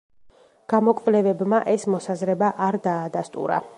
გამოკვლევებმა ეს მოსაზრება არ დაადასტურა.